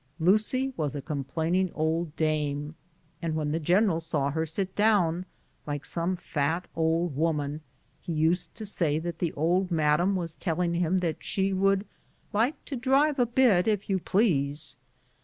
Lucy was a complaining old dame, and when the general saw her sit down, like some fat old woman, he used to say that the old madam was telling him that she " would like to drive a bit, if 3^ou please."